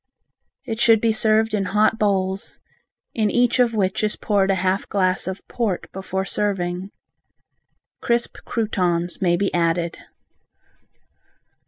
It should be served in hot bowls in each of which is poured a half glass of port before serving. Crisp croutons may be added.